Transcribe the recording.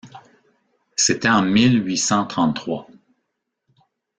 C’était en mille huit cent trente-trois.